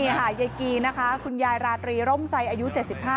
นี่ค่ะยายกีนะคะคุณยายราธรีร่มไซอายุเจ็ดสิบห้า